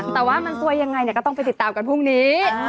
แต่ว่ามันซวยยังไงก็ต้องไปติดตามกันพรุ่งนี้